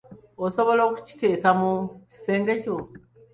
Osobola okukiteeka mu kisenge kyo.